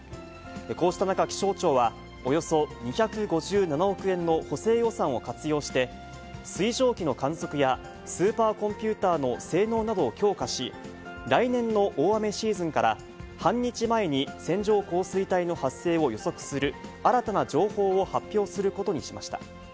こうした中、気象庁は、およそ２５７億円の補正予算を活用して、水蒸気の観測や、スーパーコンピューターの性能などを強化し、来年の大雨シーズンから、半日前に線状降水帯の発生を予測する、新たな情報を発表することにしました。